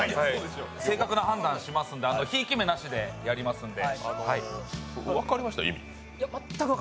正確な判断しますので、ひいき目なしでやりますので。